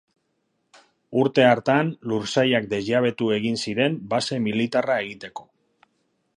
Urte hartan lursailak desjabetu egin ziren base militarra egiteko.